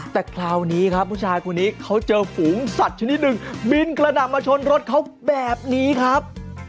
แต่คราวนี้ครับผู้ชายคนนี้เขาเจอฝูงสัตว์ชนิดหนึ่งบินกระหน่ำมาชนรถเขาแบบนี้ครับ